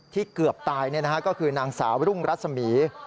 ที่เกือบตายเนี่ยนะฮะก็คือนางสาวรุ่งรัฐสมี